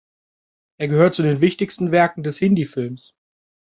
Er gehört zu den wichtigsten Werken des Hindi-Films.